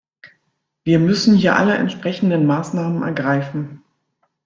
Wir müssen hier alle entsprechenden Maßnahmen ergreifen.